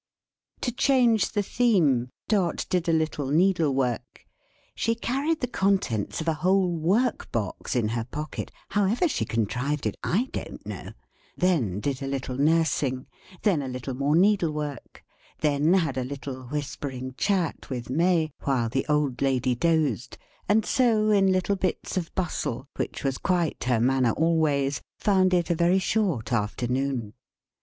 To change the theme, Dot did a little needlework she carried the contents of a whole workbox in her pocket; how ever she contrived it, I don't know then did a little nursing; then a little more needlework; then had a little whispering chat with May, while the old lady dozed; and so in little bits of bustle, which was quite her manner always, found it a very short afternoon.